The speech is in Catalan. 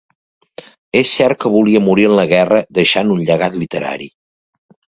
És cert que volia morir en la guerra deixant un llegat literari.